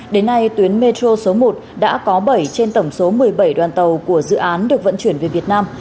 đến nay tuyến metro số một đã có bảy trên tổng số một mươi bảy đoàn tàu của dự án được vận chuyển về việt nam